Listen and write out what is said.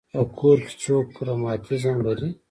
په کور کې څوک رماتیزم لري.